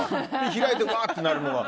開いて、うわってなるのは。